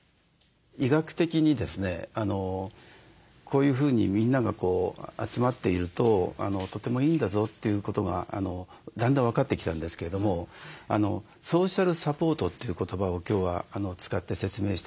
医学的にですねこういうふうにみんなが集まっているととてもいいんだぞということがだんだん分かってきたんですけれどもソーシャルサポートという言葉を今日は使って説明したいと思うんですけれども。